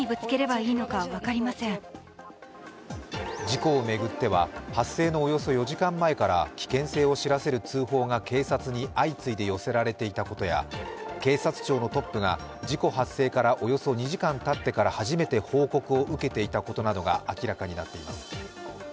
事故を巡っては発生のおよそ４時間前から危険性を知らせる通報が警察に相次いで寄せられていたことや、警察庁のトップが事故発生から２時間たってから初めて報告を受けていたことなどが明らかになっています。